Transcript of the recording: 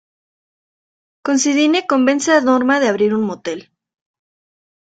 Considine convence a Norma de abrir un motel.